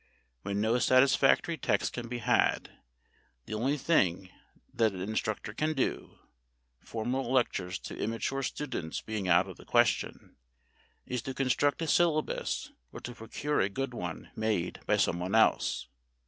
When no satisfactory text can be had, the only thing that an instructor can do formal lectures to immature students being out of the question is to construct a syllabus or to procure a good one made by some one else.